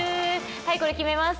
はい、これ決めます！